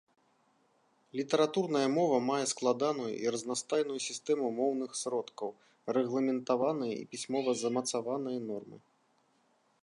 Літаратурная мова мае складаную і разнастайную сістэму моўных сродкаў, рэгламентаваныя і пісьмова замацаваныя нормы.